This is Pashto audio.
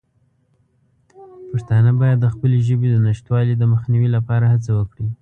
پښتانه باید د خپلې ژبې د نشتوالي د مخنیوي لپاره هڅه وکړي.